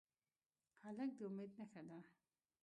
هلک د امید نښه ده.